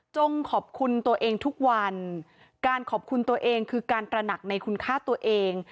ขอบคุณตัวเองทุกวันการขอบคุณตัวเองคือการตระหนักในคุณค่าตัวเอง